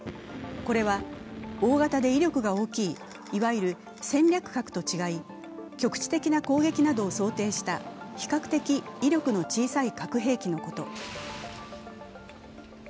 これは大型で威力が大きい、いわゆる戦略核と違い局地的な攻撃などを想定した比較的威力の小さい核兵器のこと。